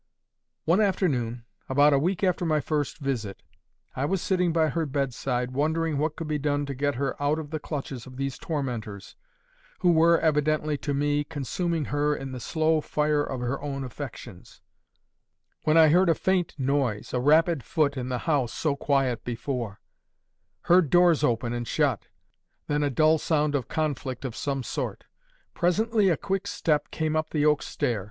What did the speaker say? "One afternoon, about a week after my first visit, I was sitting by her bedside, wondering what could be done to get her out of the clutches of these tormentors, who were, evidently to me, consuming her in the slow fire of her own affections, when I heard a faint noise, a rapid foot in the house so quiet before; heard doors open and shut, then a dull sound of conflict of some sort. Presently a quick step came up the oak stair.